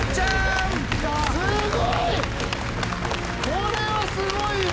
これはすごいよ！